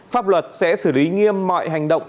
pháp luật sẽ xử lý nghiêm mọi hành động